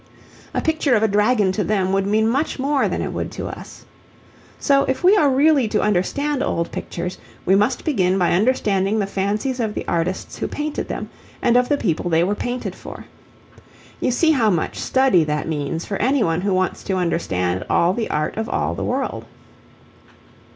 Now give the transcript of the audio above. A picture of a dragon to them would mean much more than it would to us. So if we are really to understand old pictures, we must begin by understanding the fancies of the artists who painted them, and of the people they were painted for. You see how much study that means for any one who wants to understand all the art of all the world.